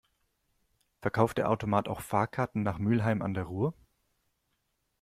Verkauft der Automat auch Fahrkarten nach Mülheim an der Ruhr?